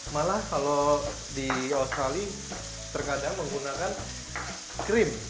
malah kalau di australia terkadang menggunakan krim